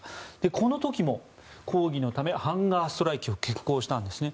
この時も抗議のためハンガーストライキを決行したんですね。